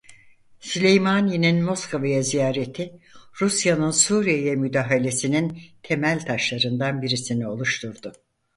Süleymani'nin Moskova'ya ziyareti Rusya'nın Suriye'ye müdahalesinin temel taşlarından birisini oluşturdu.